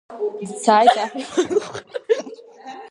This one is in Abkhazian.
Дцаит аҳ иԥа ныҟәара.